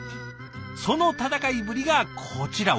その戦いぶりがこちら。